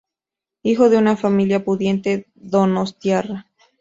Hijo de una familia pudiente donostiarra.